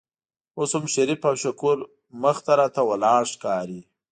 اوس هم شریف او شکور مخې ته راته ولاړ ښکاري.